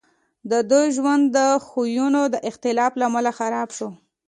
د دوی ژوند د خویونو د اختلاف له امله خراب شو